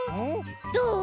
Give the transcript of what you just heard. どう？